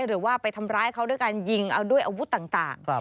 หรือว่าไปทำร้ายเขาด้วยการยิงเอาด้วยอาวุธต่าง